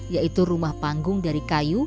yaitu rumah panggung dari kayu